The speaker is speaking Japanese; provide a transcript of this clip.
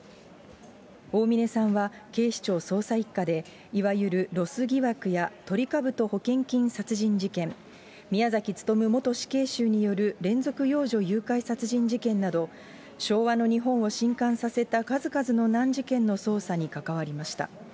大峯さんは警視庁捜査１課で、いわゆるロス疑惑やトリカブト保険金殺人事件、宮崎勤元死刑囚による連続幼女誘拐殺人事件など、昭和の日本をしんかんさせた、数々の難事件の捜査に関わりました。